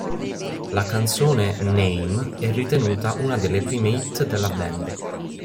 La canzone "Name" è ritenuta una delle prime hit della band.